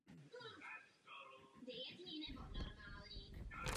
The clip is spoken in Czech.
Není doposud uvedena na Listině registrovaných odrůd Slovenské republiky.